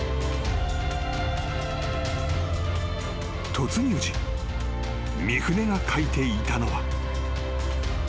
［突入時三船が書いていたのは］